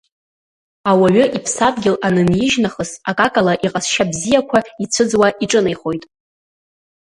Ауаҩы иԥсадгьыл анынижь нахыс акакала иҟазшьа бзиақәа ицәыӡуа иҿынеихоит.